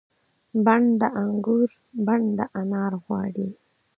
بڼ د انګور بڼ د انار غواړي